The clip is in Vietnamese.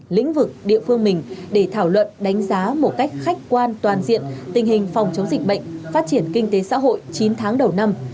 lĩnh vực địa phương mình để thảo luận đánh giá một cách khách quan toàn diện tình hình phòng chống dịch bệnh phát triển kinh tế xã hội chín tháng đầu năm